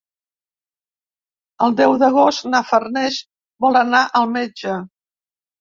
El deu d'agost na Farners vol anar al metge.